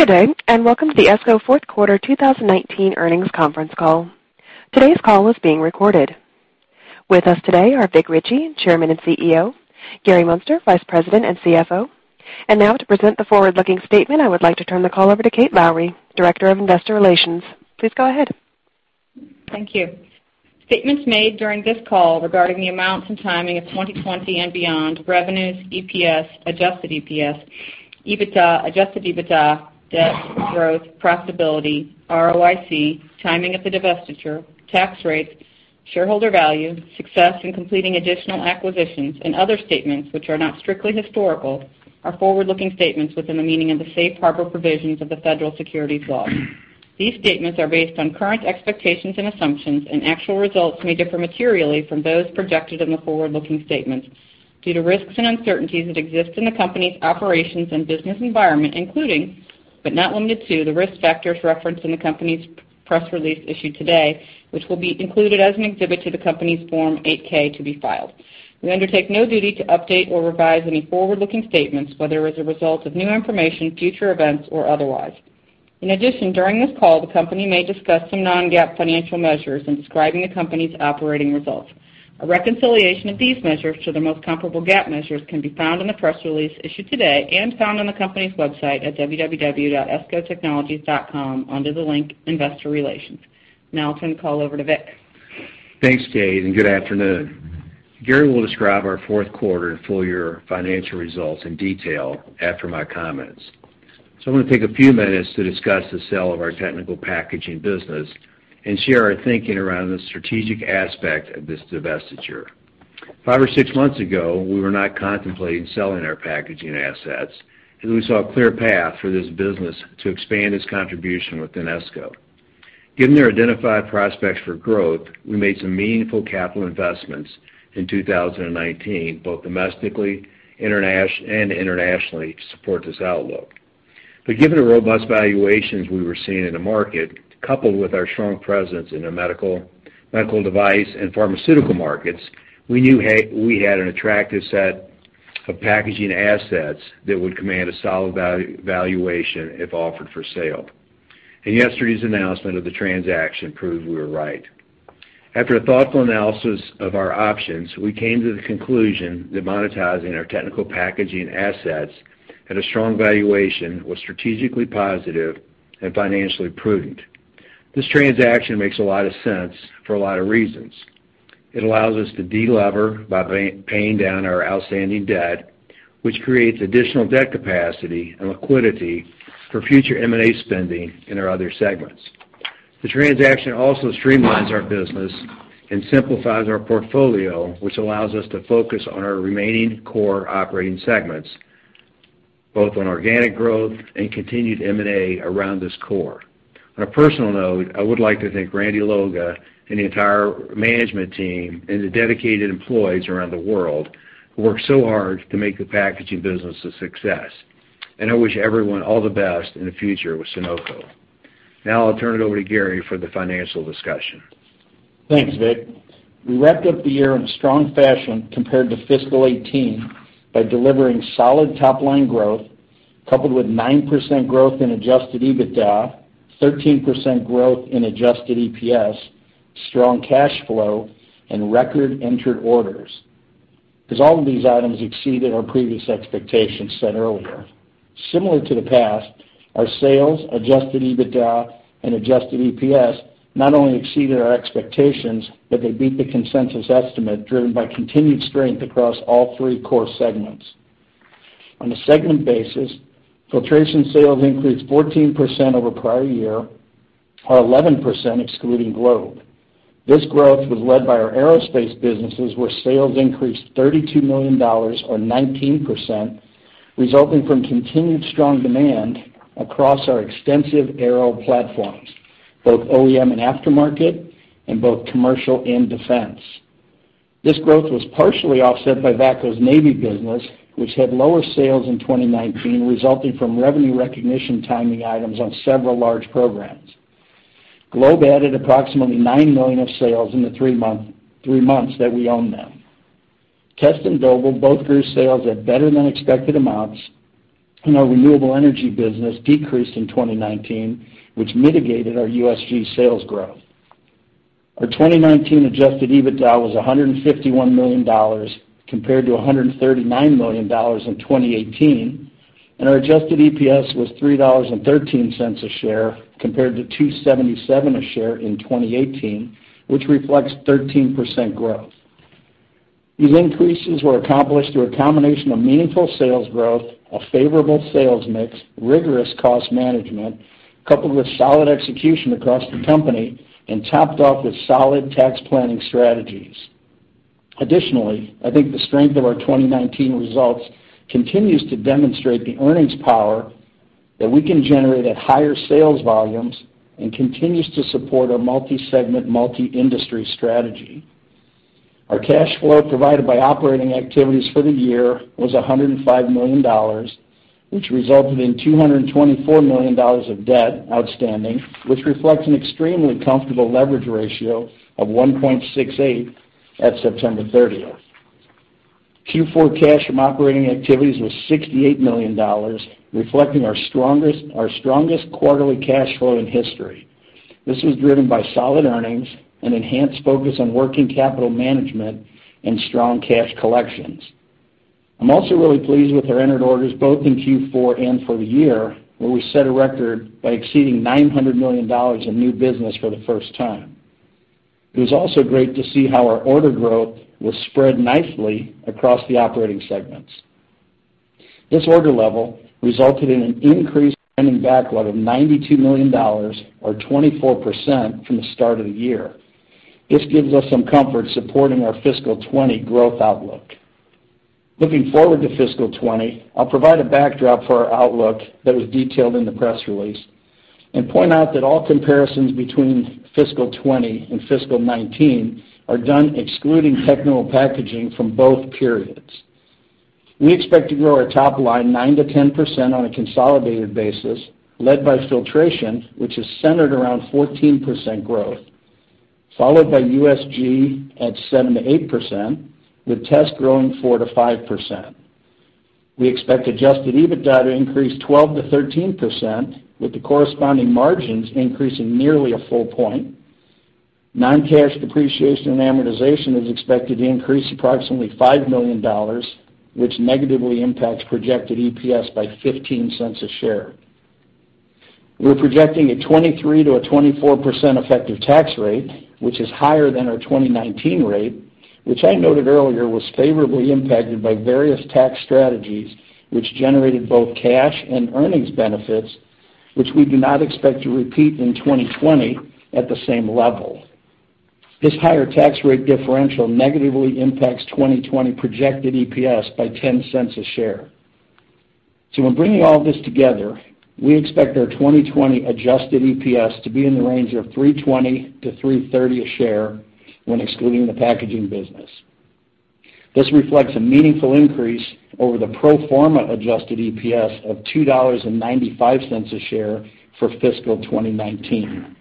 Good day and welcome to the ESCO fourth quarter 2019 Earnings Conference Call. Today's call is being recorded. With us today are Vic Richey, Chairman and CEO, Gary Muenster, Vice President and CFO, and now to present the forward-looking statement I would like to turn the call over to Kate Lowrey, Director of Investor Relations. Please go ahead. Thank you. Statements made during this call regarding the amounts and timing of 2020 and beyond revenues, EPS, Adjusted EPS, EBITDA, Adjusted EBITDA, debt, growth, profitability, ROIC, timing of the divestiture, tax rates, shareholder value, success in completing additional acquisitions, and other statements which are not strictly historical are forward-looking statements within the meaning of the safe harbor provisions of the Federal securities law. These statements are based on current expectations and assumptions, and actual results may differ materially from those projected in the forward-looking statements due to risks and uncertainties that exist in the company's operations and business environment, including, but not limited to, the risk factors referenced in the company's press release issued today, which will be included as an exhibit to the company's Form 8-K to be filed. We undertake no duty to update or revise any forward-looking statements, whether as a result of new information, future events, or otherwise. In addition, during this call the company may discuss some non-GAAP financial measures in describing the company's operating results. A reconciliation of these measures to their most comparable GAAP measures can be found in the press release issued today and found on the company's website at www.escotechnologies.com under the link Investor Relations. Now I'll turn the call over to Vic. Thanks, Kate, and good afternoon. Gary will describe our fourth quarter and full year financial results in detail after my comments. So I'm going to take a few minutes to discuss the sale of our technical packaging business and share our thinking around the strategic aspect of this divestiture. Five or six months ago we were not contemplating selling our packaging assets as we saw a clear path for this business to expand its contribution within ESCO. Given their identified prospects for growth we made some meaningful capital investments in 2019 both domestically and internationally to support this outlook. But given the robust valuations we were seeing in the market coupled with our strong presence in the medical, medical device, and pharmaceutical markets we knew we had an attractive set of packaging assets that would command a solid valuation if offered for sale. Yesterday's announcement of the transaction proved we were right. After a thoughtful analysis of our options, we came to the conclusion that monetizing our technical packaging assets at a strong valuation was strategically positive and financially prudent. This transaction makes a lot of sense for a lot of reasons. It allows us to de-lever by paying down our outstanding debt, which creates additional debt capacity and liquidity for future M&A spending in our other segments. The transaction also streamlines our business and simplifies our portfolio, which allows us to focus on our remaining core operating segments both on organic growth and continued M&A around this core. On a personal note, I would like to thank Randy Loga and the entire management team and the dedicated employees around the world who work so hard to make the packaging business a success. I wish everyone all the best in the future with Sonoco. Now I'll turn it over to Gary for the financial discussion. Thanks, Vic. We wrapped up the year in a strong fashion compared to FY 2018 by delivering solid top-line growth coupled with 9% growth in Adjusted EBITDA, 13% growth in Adjusted EPS, strong cash flow, and record entered orders. Because all of these items exceeded our previous expectations said earlier. Similar to the past, our sales, Adjusted EBITDA, and Adjusted EPS not only exceeded our expectations but they beat the consensus estimate driven by continued strength across all three core segments. On a segment basis Filtration sales increased 14% over prior year or 11% excluding Globe. This growth was led by our aerospace businesses where sales increased $32 million or 19% resulting from continued strong demand across our extensive aero platforms both OEM and aftermarket and both commercial and defense. This growth was partially offset by VACCO's Navy business which had lower sales in 2019 resulting from revenue recognition timing items on several large programs. Globe added approximately $9 million of sales in the three months that we owned them. Test and Doble both grew sales at better than expected amounts and our renewable energy business decreased in 2019 which mitigated our USG sales growth. Our 2019 Adjusted EBITDA was $151 million compared to $139 million in 2018 and our Adjusted EPS was $3.13 a share compared to $2.77 a share in 2018 which reflects 13% growth. These increases were accomplished through a combination of meaningful sales growth, a favorable sales mix, rigorous cost management coupled with solid execution across the company and topped off with solid tax planning strategies. Additionally, I think the strength of our 2019 results continues to demonstrate the earnings power that we can generate at higher sales volumes and continues to support our multi-segment, multi-industry strategy. Our cash flow provided by operating activities for the year was $105 million, which resulted in $224 million of debt outstanding, which reflects an extremely comfortable leverage ratio of 1.68 at September 30th. Q4 cash from operating activities was $68 million, reflecting our strongest quarterly cash flow in history. This was driven by solid earnings and enhanced focus on working capital management and strong cash collections. I'm also really pleased with our entered orders both in Q4 and for the year where we set a record by exceeding $900 million in new business for the first time. It was also great to see how our order growth was spread nicely across the operating segments. This order level resulted in an increased ending backlog of $92 million or 24% from the start of the year. This gives us some comfort supporting our FY 2020 growth outlook. Looking forward to FY 2020 I'll provide a backdrop for our outlook that was detailed in the press release and point out that all comparisons between FY 2020 and FY 2019 are done excluding technical packaging from both periods. We expect to grow our top line 9%-10% on a consolidated basis led by Filtration which is centered around 14% growth followed by USG at 7%-8% with Test growing 4%-5%. We expect Adjusted EBITDA to increase 12%-13% with the corresponding margins increasing nearly a full point. Non-cash depreciation and amortization is expected to increase approximately $5 million which negatively impacts projected EPS by $0.15 a share. We're projecting a 23%-24% effective tax rate which is higher than our 2019 rate which I noted earlier was favorably impacted by various tax strategies which generated both cash and earnings benefits which we do not expect to repeat in 2020 at the same level. This higher tax rate differential negatively impacts 2020 projected EPS by $0.10 a share. So when bringing all this together we expect our 2020 adjusted EPS to be in the range of $3.20-$3.30 a share when excluding the packaging business. This reflects a meaningful increase over the pro forma Adjusted EPS of $2.95 a share for FY 2019.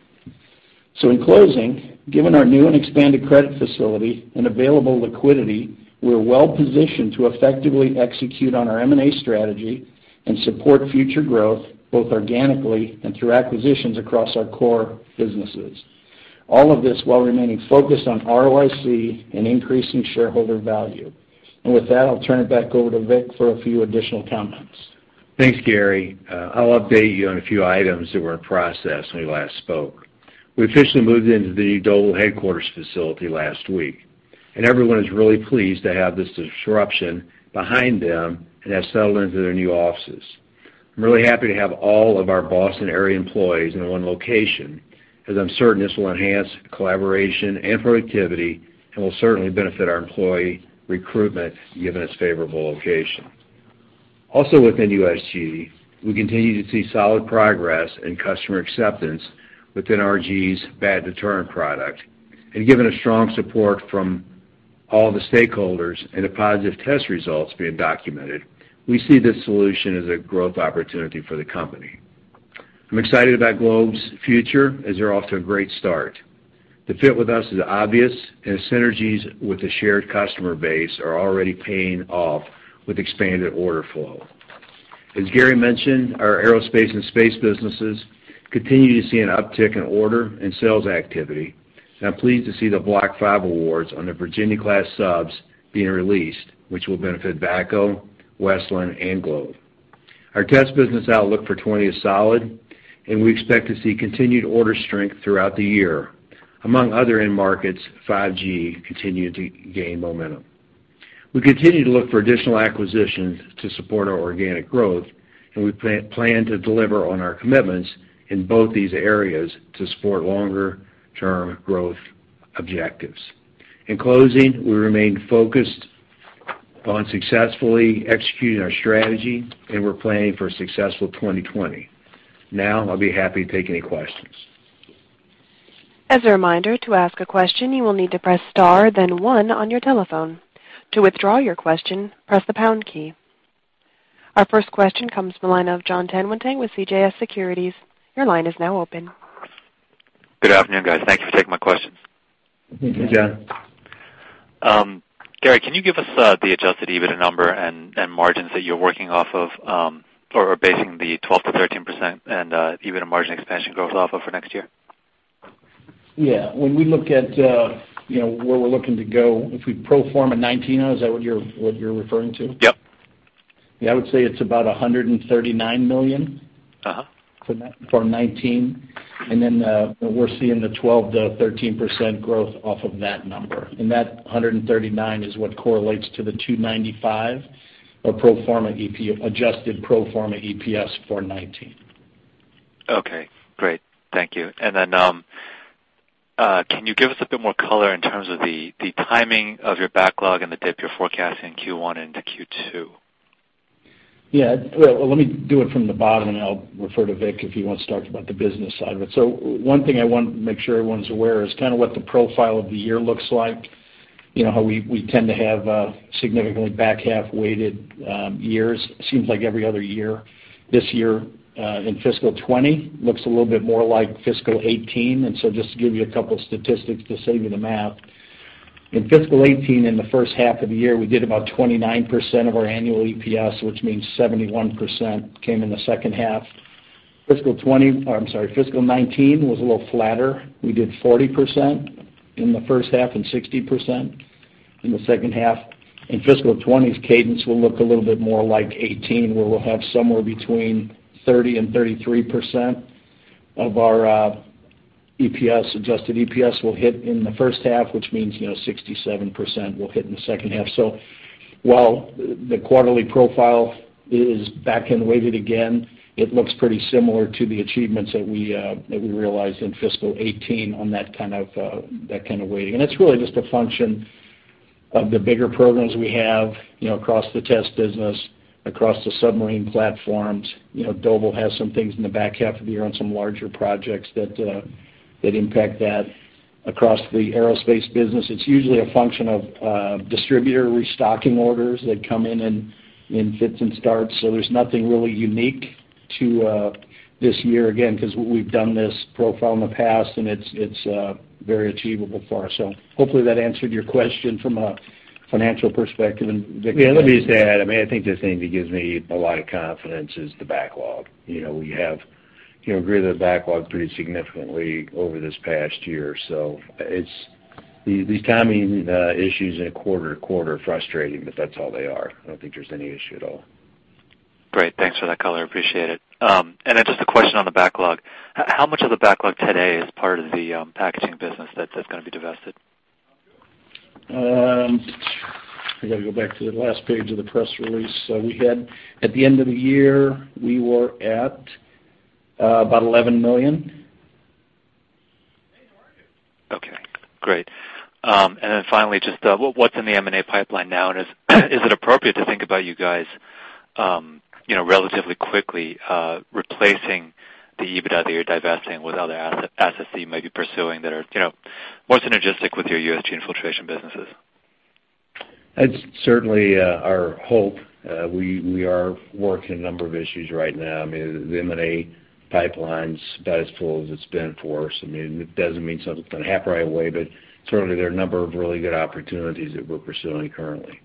So in closing given our new and expanded credit facility and available liquidity we're well positioned to effectively execute on our M&A strategy and support future growth both organically and through acquisitions across our core businesses. All of this while remaining focused on ROIC and increasing shareholder value. And with that I'll turn it back over to Vic for a few additional comments. Thanks, Gary. I'll update you on a few items that were in process when we last spoke. We officially moved into the new Doble headquarters facility last week and everyone is really pleased to have this disruption behind them and have settled into their new offices. I'm really happy to have all of our Boston area employees in one location as I'm certain this will enhance collaboration and productivity and will certainly benefit our employee recruitment given its favorable location. Also within USG we continue to see solid progress in customer acceptance within NRG's bat deterrent product and given a strong support from all the stakeholders and the positive test results being documented we see this solution as a growth opportunity for the company. I'm excited about Globe's future as they're off to a great start. The fit with us is obvious and the synergies with the shared customer base are already paying off with expanded order flow. As Gary mentioned, our aerospace and space businesses continue to see an uptick in order and sales activity and I'm pleased to see the Block V awards on the Virginia-class subs being released which will benefit VACCO, Westland, and Globe. Our Test business outlook for 2020 is solid and we expect to see continued order strength throughout the year among other end markets 5G continuing to gain momentum. We continue to look for additional acquisitions to support our organic growth and we plan to deliver on our commitments in both these areas to support longer-term growth objectives. In closing we remain focused on successfully executing our strategy and we're planning for a successful 2020. Now I'll be happy to take any questions. As a reminder, to ask a question you will need to press star then one on your telephone. To withdraw your question, press the pound key. Our first question comes from the line of Jon Tanwanteng with CJS Securities. Your line is now open. Good afternoon, guys. Thank you for taking my question. Thank you, Jon. Gary, can you give us the Adjusted EBITDA number and margins that you're working off of or basing the 12%-13% and EBITDA margin expansion growth off of for next year? Yeah. When we look at where we're looking to go if we pro forma 2019 is that what you're referring to? Yep. Yeah. I would say it's about $139 million for 2019 and then we're seeing the 12%-13% growth off of that number. That $139 is what correlates to the $2.95 adjusted pro forma EPS for 2019. Okay. Great. Thank you. And then can you give us a bit more color in terms of the timing of your backlog and the dip you're forecasting in Q1 into Q2? Yeah. Well, let me do it from the bottom and I'll refer to Vic if he wants to talk about the business side. But so one thing I want to make sure everyone's aware is kind of what the profile of the year looks like. How we tend to have significantly back half-weighted years seems like every other year. This year in FY 2020 looks a little bit more like FY 2018 and so just to give you a couple of statistics to save you the math. In FY 2018 in the first half of the year we did about 29% of our annual EPS which means 71% came in the second half. FY 2020 or I'm sorry FY 2019 was a little flatter. We did 40% in the first half and 60% in the second half. In FY 2020's cadence will look a little bit more like 2018 where we'll have somewhere between 30% and 33% of our Adjusted EPS will hit in the first half which means 67% will hit in the second half. So while the quarterly profile is back and weighted again it looks pretty similar to the achievements that we realized in fiscal 2018 on that kind of weighting. And it's really just a function of the bigger programs we have across the Test business, across the submarine platforms. Doble has some things in the back half of the year on some larger projects that impact that. Across the aerospace business it's usually a function of distributor restocking orders that come in and fits and starts. So there's nothing really unique to this year again because we've done this profile in the past and it's very achievable for us. Hopefully that answered your question from a financial perspective and Vic. Yeah. Let me just add. I mean, I think the thing that gives me a lot of confidence is the backlog. We have grew the backlog pretty significantly over this past year, so these timing issues in a quarter-to-quarter are frustrating, but that's all they are. I don't think there's any issue at all. Great. Thanks for that color. Appreciate it. And then just a question on the backlog. How much of the backlog today is part of the packaging business that's going to be divested? I got to go back to the last page of the press release. So we had at the end of the year we were at about $11 million. Okay. Great. And then finally, just what's in the M&A pipeline now, and is it appropriate to think about you guys relatively quickly replacing the EBITDA that you're divesting with other assets that you might be pursuing that are more synergistic with your Filtration businesses? That's certainly our hope. We are working on a number of issues right now. I mean the M&A pipeline's about as full as it's been for us. I mean it doesn't mean something's going to happen right away but certainly there are a number of really good opportunities that we're pursuing currently.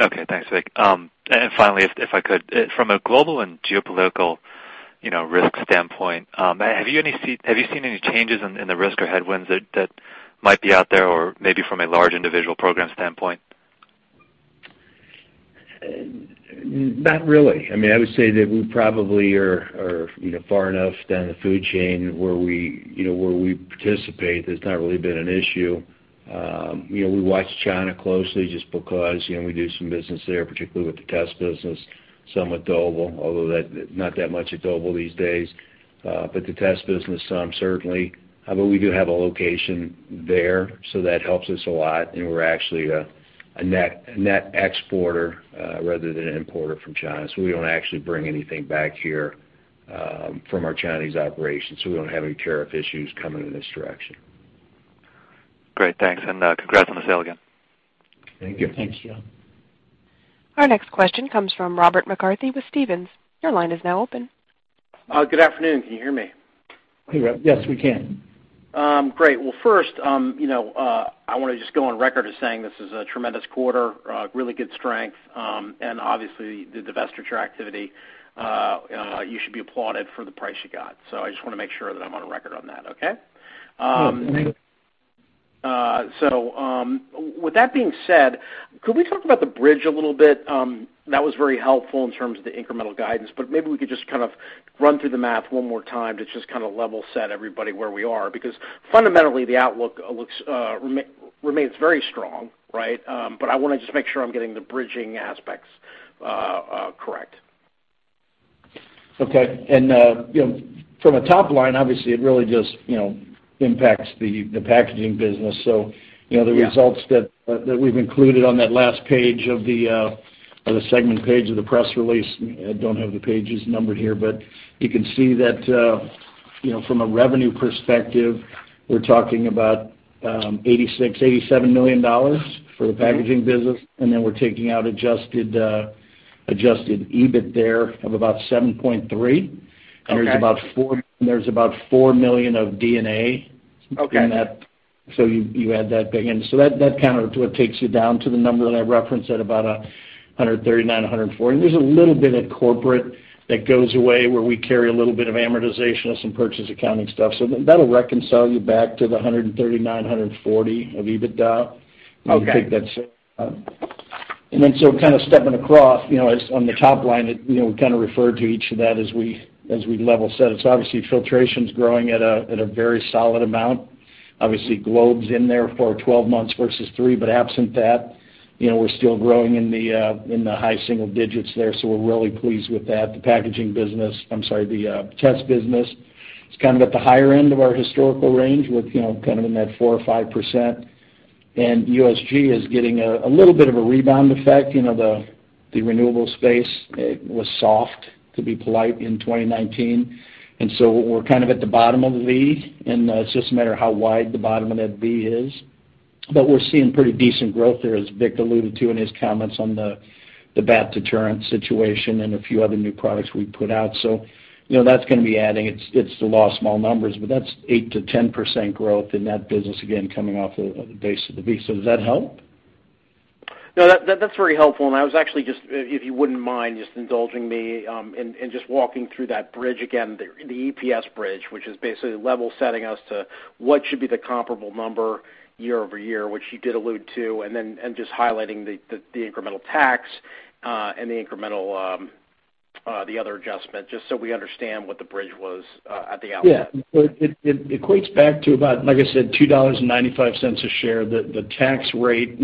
Okay. Thanks, Vic. And finally, if I could, from a global and geopolitical risk standpoint, have you seen any changes in the risk or headwinds that might be out there, or maybe from a large individual program standpoint? Not really. I mean, I would say that we probably are far enough down the food chain where we participate; there's not really been an issue. We watch China closely just because we do some business there, particularly with the Test business, some with Doble although not that much at Doble these days. But the Test business some certainly. But we do have a location there, so that helps us a lot, and we're actually a net exporter rather than an importer from China. So we don't actually bring anything back here from our Chinese operations, so we don't have any tariff issues coming in this direction. Great. Thanks and congrats on the sale again. Thank you. Thank you. Our next question comes from Rob McCarthy with Stephens. Your line is now open. Good afternoon. Can you hear me? Hey, Rob. Yes, we can. Great. Well, first I want to just go on record as saying this is a tremendous quarter, really good strength, and obviously the divestiture activity you should be applauded for the price you got. So I just want to make sure that I'm on record on that, okay? Yep. Thank you. So with that being said could we talk about the bridge a little bit? That was very helpful in terms of the incremental guidance but maybe we could just kind of run through the math one more time to just kind of level set everybody where we are because fundamentally the outlook remains very strong, right? But I want to just make sure I'm getting the bridging aspects correct. Okay. From a top line obviously it really just impacts the packaging business. So the results that we've included on that last page of the segment page of the press release I don't have the pages numbered here but you can see that from a revenue perspective we're talking about $86-$87 million for the packaging business and then we're taking out Adjusted EBIT there of about $7.3 million and there's about $4 million of D&A in that so you add that back in. So that kind of what takes you down to the number that I referenced at about 139-140. There's a little bit of corporate that goes away where we carry a little bit of amortization of some purchase accounting stuff so that'll reconcile you back to the 139-140 of EBITDA. You can take that. And then so kind of stepping across on the top line we kind of referred to each of that as we level set it. So obviously Filtration's growing at a very solid amount. Obviously Globe's in there for 12 months versus 3 but absent that we're still growing in the high single digits there so we're really pleased with that. The packaging business, I'm sorry, the Test business has kind of at the higher end of our historical range with kind of in that 4%-5% and USG is getting a little bit of a rebound effect. The renewable space was soft to be polite in 2019 and so we're kind of at the bottom of the V and it's just a matter of how wide the bottom of that V is. But we're seeing pretty decent growth there as Vic alluded to in his comments on the bat deterrent situation and a few other new products we put out. So that's going to be adding, it's though small numbers, but that's 8%-10% growth in that business again coming off the base of the V. So does that help? No. That's very helpful, and I was actually just if you wouldn't mind just indulging me in just walking through that bridge again, the EPS bridge, which is basically level setting us to what should be the comparable number YoY, which you did allude to, and then just highlighting the incremental tax and the incremental other adjustment, just so we understand what the bridge was at the outset. Yeah. So it equates back to about like I said $2.95 a share. The tax rate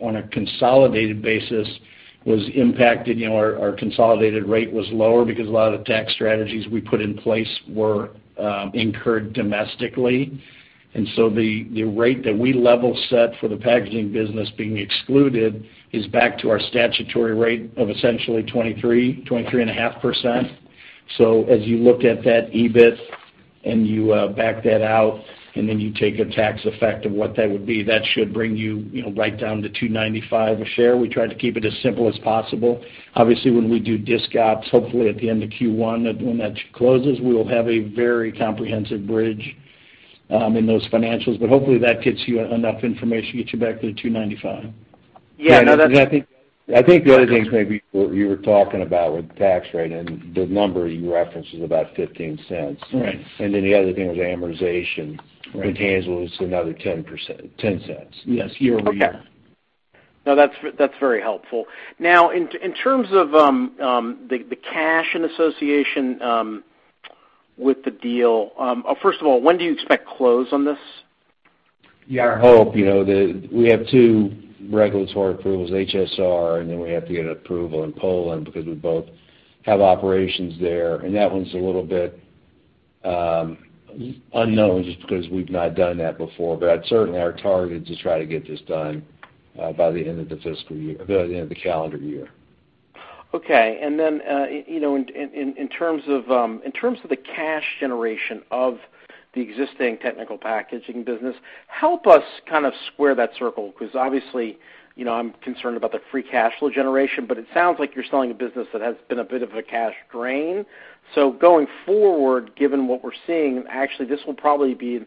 on a consolidated basis was impacted. Our consolidated rate was lower because a lot of the tax strategies we put in place were incurred domestically and so the rate that we level set for the packaging business being excluded is back to our statutory rate of essentially 23%-23.5%. So as you look at that EBIT and you back that out and then you take a tax effect of what that would be that should bring you right down to $2.95 a share. We tried to keep it as simple as possible. Obviously when we do discounts hopefully at the end of Q1 when that closes we will have a very comprehensive bridge in those financials but hopefully that gets you enough information to get you back to the $2.95. Yeah. No. That's. Yeah. I think the other thing is maybe what you were talking about with the tax rate and the number you referenced is about $0.15. And then the other thing was amortization pertains was another $0.10. Yes. YoY. Okay. No. That's very helpful. Now in terms of the cash in association with the deal first of all when do you expect close on this? Yeah. Our hope that we have two regulatory approvals, HSR, and then we have to get approval in Poland because we both have operations there, and that one's a little bit unknown just because we've not done that before. But certainly our target is to try to get this done by the end of the fiscal year by the end of the calendar year. Okay. And then in terms of the cash generation of the existing technical packaging business help us kind of square that circle because obviously I'm concerned about the free cash flow generation but it sounds like you're selling a business that has been a bit of a cash drain. So going forward given what we're seeing actually this will probably be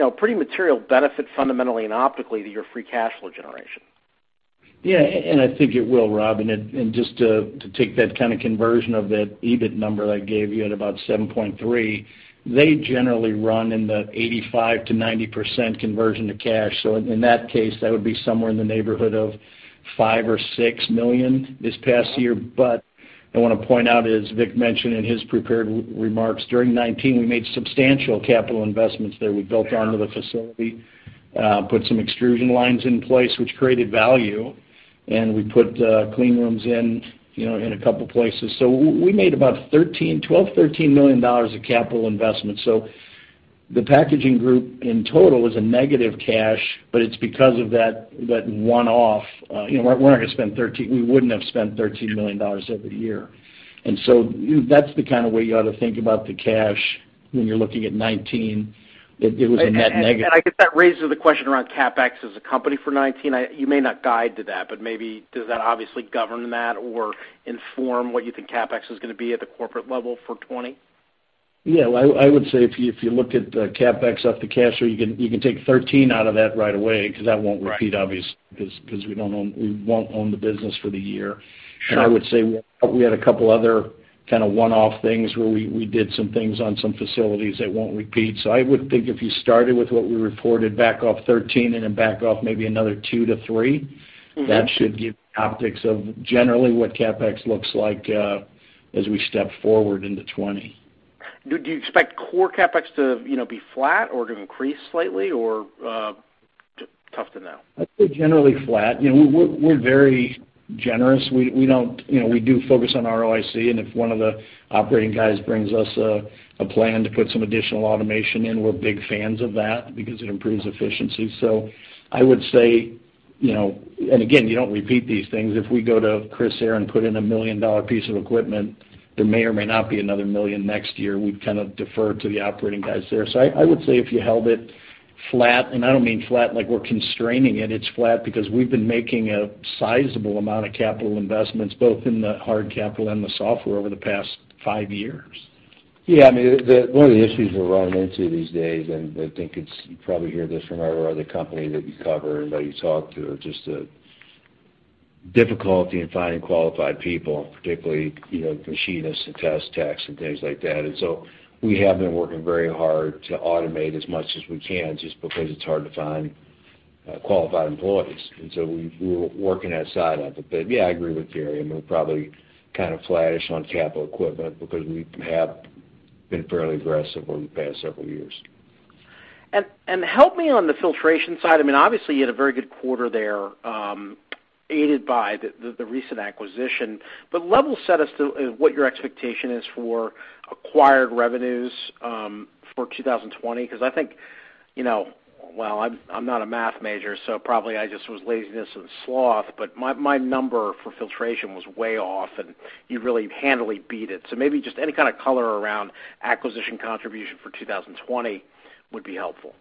a pretty material benefit fundamentally and optically to your free cash flow generation. Yeah. And I think it will, Rob. And just to take that kind of conversion of that EBIT number I gave you at about 7.3 they generally run in the 85%-90% conversion to cash. So in that case that would be somewhere in the neighborhood of $5 million or $6 million this past year. But I want to point out as Vic mentioned in his prepared remarks during 2019 we made substantial capital investments there. We built onto the facility, put some extrusion lines in place which created value, and we put clean rooms in a couple of places. So we made about $12-$13 million of capital investments. So the packaging group in total is a negative cash but it's because of that one-off we're not going to spend 13 we wouldn't have spent $13 million every year. And so that's the kind of way you ought to think about the cash when you're looking at 2019. It was a net negative. I guess that raises the question around CapEx as a company for 2019. You may not guide to that but maybe does that obviously govern that or inform what you think CapEx is going to be at the corporate level for 2020? Yeah. I would say if you look at the CapEx off the cash flow, you can take 13 out of that right away because that won't repeat obviously because we won't own the business for the year. And I would say we had a couple other kind of one-off things where we did some things on some facilities that won't repeat. So I would think if you started with what we reported, back off 13, and then back off maybe another 2-3, that should give you optics of generally what CapEx looks like as we step forward into 2020. Do you expect core CapEx to be flat or to increase slightly or tough to know? I'd say generally flat. We're very generous. We do focus on ROIC and if one of the operating guys brings us a plan to put some additional automation in we're big fans of that because it improves efficiency. So I would say and again you don't repeat these things. If we go to Crissair and put in a $1 million piece of equipment there may or may not be another $1 million next year. We'd kind of defer to the operating guys there. So I would say if you held it flat and I don't mean flat like we're constraining it it's flat because we've been making a sizable amount of capital investments both in the hard capital and the software over the past five years. Yeah. I mean, one of the issues we're running into these days, and I think you probably hear this from every other company that you cover and that you talk to, is just a difficulty in finding qualified people, particularly machinists and Test techs and things like that. And so we have been working very hard to automate as much as we can just because it's hard to find qualified employees. And so we're working outside of it. But yeah. I agree with Gary. I mean, we're probably kind of flatish on capital equipment because we have been fairly aggressive over the past several years. And help me on the Filtration side. I mean obviously you had a very good quarter there aided by the recent acquisition but level set us to what your expectation is for acquired revenues for 2020 because I think well, I'm not a math major so probably I just was laziness and sloth but my number for Filtration was way off and you really handily beat it. So maybe just any kind of color around acquisition contribution for 2020 would be helpful.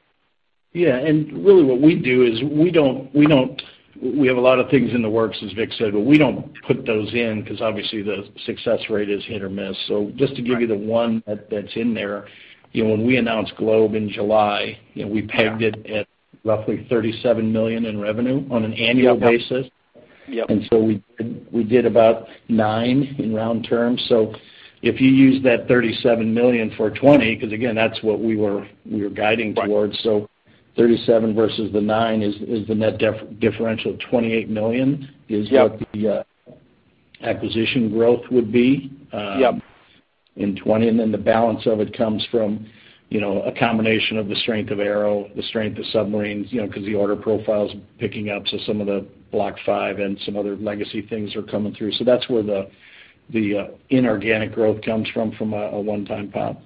Yeah. And really what we do is we don't have a lot of things in the works as Vic said but we don't put those in because obviously the success rate is hit or miss. So just to give you the one that's in there when we announced Globe in July we pegged it at roughly $37 million in revenue on an annual basis. And so we did about $9 million in round terms. So if you use that $37 million for 2020 because again that's what we were guiding towards so $37 million versus the $9 million is the net differential of $28 million is what the acquisition growth would be in 2020 and then the balance of it comes from a combination of the strength of aero, the strength of submarines because the order profile's picking up so some of the Block V and some other legacy things are coming through. So that's where the inorganic growth comes from a one-time pop.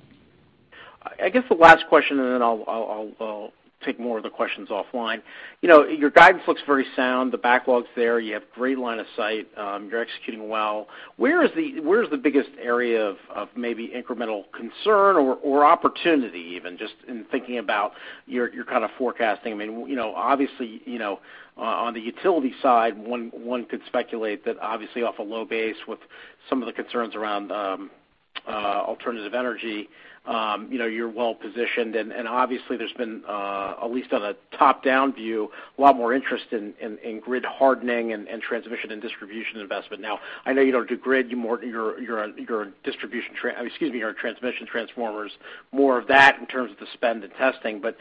I guess the last question and then I'll take more of the questions offline. Your guidance looks very sound. The backlog's there. You have a great line of sight. You're executing well. Where is the biggest area of maybe incremental concern or opportunity even just in thinking about your kind of forecasting? I mean obviously on the utility side one could speculate that obviously off a low base with some of the concerns around alternative energy you're well positioned and obviously there's been at least on a top down view a lot more interest in grid hardening and transmission and distribution investment. Now I know you don't do grid. You're a distribution excuse me. You're a transmission transformer. More of that in terms of the spend and testing. But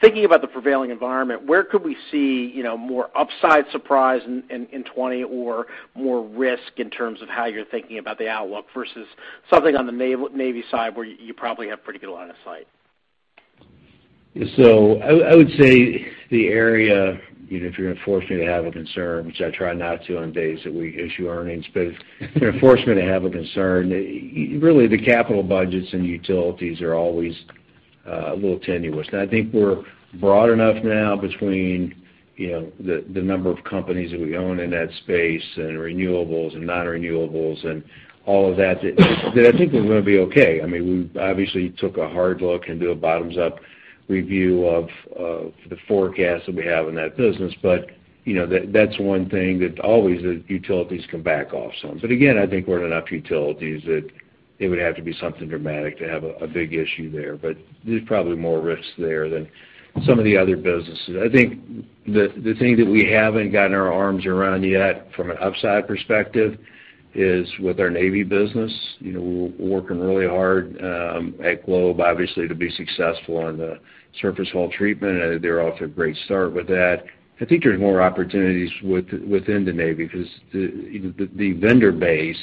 thinking about the prevailing environment, where could we see more upside surprise in 2020 or more risk in terms of how you're thinking about the outlook versus something on the Navy side where you probably have pretty good line of sight? Yeah. So I would say the area if you're going to force me to have a concern which I try not to on days that we issue earnings but if you're going to force me to have a concern really the capital budgets and utilities are always a little tenuous. I think we're broad enough now between the number of companies that we own in that space and renewables and non-renewables and all of that that I think we're going to be okay. I mean we obviously took a hard look and did a bottoms up review of the forecast that we have in that business but that's one thing that always utilities can back off some. But again I think we're in enough utilities that it would have to be something dramatic to have a big issue there, but there's probably more risks there than some of the other businesses. I think the thing that we haven't gotten our arms around yet from an upside perspective is with our Navy business. We're working really hard at Globe obviously to be successful on the surface hull treatment and they're off to a great start with that. I think there's more opportunities within the Navy because the vendor base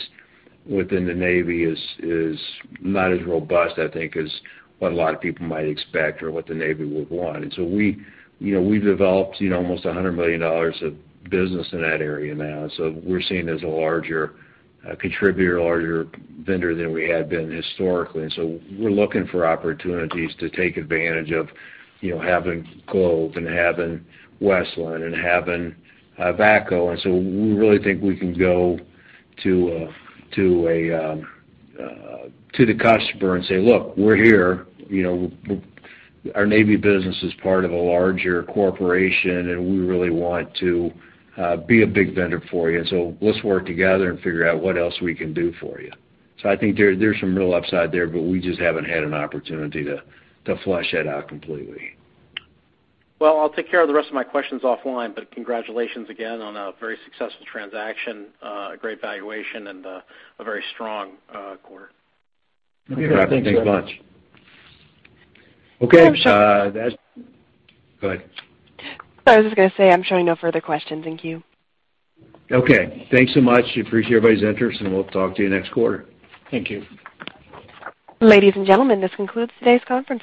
within the Navy is not as robust I think as what a lot of people might expect or what the Navy would want. And so we've developed almost $100 million of business in that area now and so we're seen as a larger contributor, a larger vendor than we had been historically. And so we're looking for opportunities to take advantage of having Globe and having Westland and having VACCO. And so we really think we can go to the customer and say, "Look. We're here. Our Navy business is part of a larger corporation and we really want to be a big vendor for you. And so let's work together and figure out what else we can do for you." So I think there's some real upside there but we just haven't had an opportunity to flesh that out completely. Well, I'll take care of the rest of my questions offline, but congratulations again on a very successful transaction, a great valuation, and a very strong quarter. Okay. Thanks a bunch. Okay. Go ahead. Sorry. I was just going to say I'm showing no further questions. Thank you. Okay. Thanks so much. Appreciate everybody's interest and we'll talk to you next quarter. Thank you. Ladies and gentlemen. This concludes today's conference.